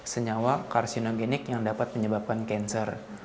senyawa karsinogenik yang dapat menyebabkan cancer